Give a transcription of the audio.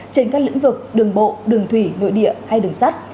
trên các lĩnh vực đường bộ đường thủy nội địa hay đường sắt